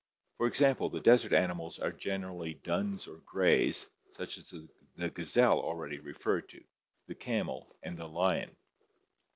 For example, the desert animals are generally duns or grays such as the gazelle already referred to, the camel, and the lion.